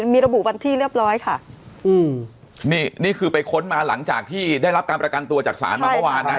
มีระบุวันที่เรียบร้อยค่ะอืมนี่นี่คือไปค้นมาหลังจากที่ได้รับการประกันตัวจากศาลมาเมื่อวานนะ